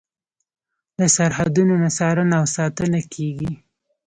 له سرحدونو نه څارنه او ساتنه کیږي.